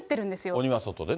鬼は外でね。